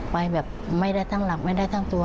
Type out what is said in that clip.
ไปแบบไม่ได้ทั้งหลับไม่ได้ทั้งตัว